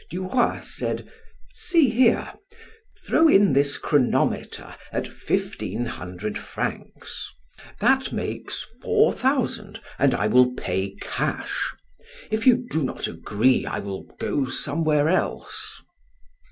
Du Roy said: "See here throw in this chronometer at fifteen hundred francs; that makes four thousand, and I will pay cash. If you do not agree, I will go somewhere else."